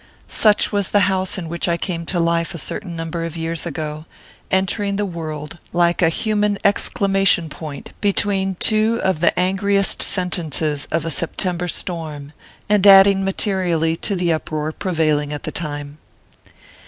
Such was the house in which I came to life a cer tain number of years ago, entering the world, like a human exclamation point, between two of the an griest sentences of a September storm, and adding materially to the uproar prevailing at the time.